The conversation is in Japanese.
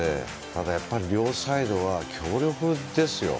ただ、やっぱり両サイドは強力ですよ。